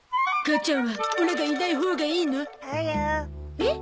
えっ？